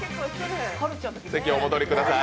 席お戻りください。